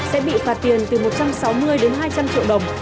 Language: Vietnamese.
sẽ bị phạt tiền từ một trăm sáu mươi đến hai trăm linh triệu đồng